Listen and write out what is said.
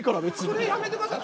それやめて下さい。